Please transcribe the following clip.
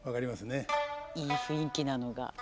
いい雰囲気なのが。